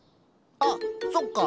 あっそっか。